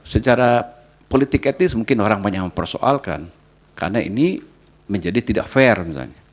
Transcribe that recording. secara politik etis mungkin orang banyak mempersoalkan karena ini menjadi tidak fair misalnya